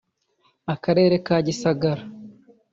akarere ka Gisagara